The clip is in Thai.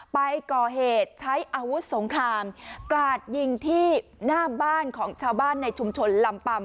ไปก่อเหตุใช้อาวุธสงครามกราดยิงที่หน้าบ้านของชาวบ้านในชุมชนลำปำ